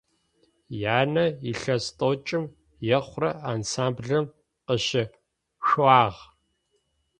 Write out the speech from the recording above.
Янэ илъэс тӏокӏым ехъурэ ансамблым къыщышъуагъ.